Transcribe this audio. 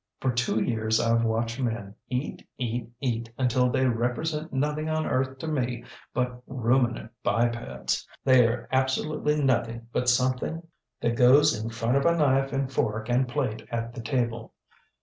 For two years IŌĆÖve watched men eat, eat, eat, until they represent nothing on earth to me but ruminant bipeds. TheyŌĆÖre absolutely nothing but something that goes in front of a knife and fork and plate at the table.